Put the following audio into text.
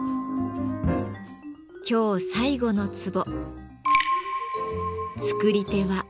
今日最後のツボ